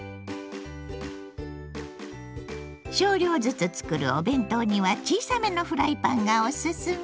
少量ずつ作るお弁当には小さめのフライパンがオススメ！